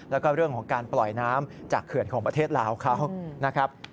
แล้วก็เรื่องของการปล่อยน้ำจากเขื่อนของประเทศลาวเขานะครับ